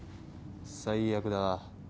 最悪だ。